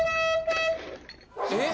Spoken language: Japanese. えっ！？